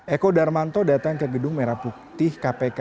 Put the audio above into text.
eko darmanto datang ke gedung merah putih kpk